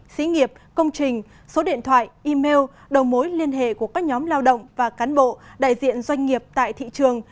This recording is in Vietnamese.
xí nghiệp công trình số điện thoại email đầu mối liên hệ của các nhóm lao động và cán bộ đại diện doanh nghiệp tại thị trường